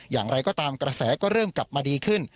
อย่างไรก็ตามกระแสก็เริ่มกลับมาดีขึ้น